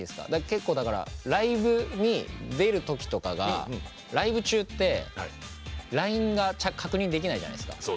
ライブに出るときとかがライブ中って、ＬＩＮＥが確認できないじゃないですか。